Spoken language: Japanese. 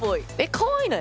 かわいいない？